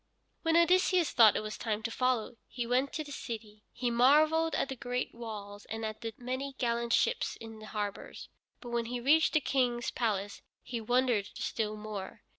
When Odysseus thought it was time to follow, he went to the city. He marveled at the great walls and at the many gallant ships in the harbors. But when he reached the King's palace, he wondered still more.